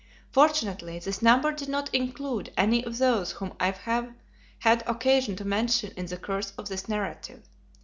Fortunately this number did not include any of those whom I have had occasion to mention in the course of this narrative.